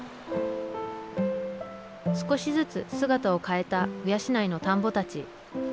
少しずつ姿を変えた鵜養の田んぼたち。